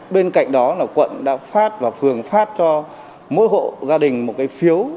bên cạnh đó là quận đã phát và phường phát cho mỗi hộ gia đình một cái phiếu